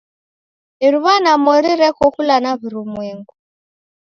Iruwa na mori reko kula na w'urumwengu